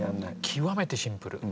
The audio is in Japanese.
極めてシンプル。